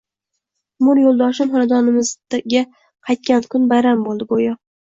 Umr yo`ldoshim xonadonimizga qaytgan kun bayram bo`ldi, go`yo